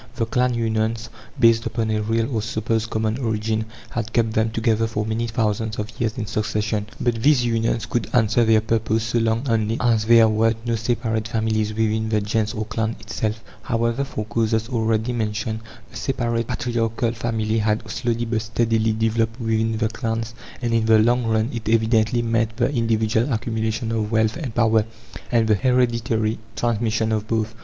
The clan unions, based upon a real or supposed common origin, had kept them together for many thousands of years in succession. But these unions could answer their purpose so long only as there were no separate families within the gens or clan itself. However, for causes already mentioned, the separate patriarchal family had slowly but steadily developed within the clans, and in the long run it evidently meant the individual accumulation of wealth and power, and the hereditary transmission of both.